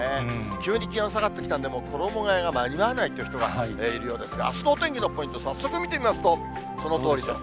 急に気温下がってきたんで、衣がえが間に合わないという人がいるようですが、あすのお天気のポイント、早速見てみますと、このとおりです。